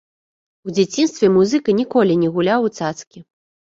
У дзяцінстве музыка ніколі не гуляў у цацкі.